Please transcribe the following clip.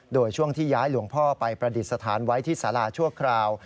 โดยช่วงที่ย้ายหลวงพ่อไปประดิษฐานไว้ที่สาราชั่วคราว